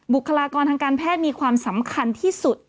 บุคลากรทางการแพทย์มีความสำคัญที่สุด